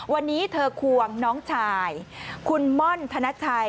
วันนี้เธอควงน้องชายคุณม่อนธนชัย